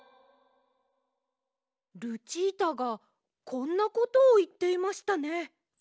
ルチータがこんなことをいっていましたね。